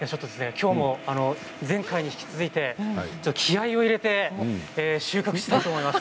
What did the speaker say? きょうも前回に引き続いて気合いを入れて収穫したいと思います。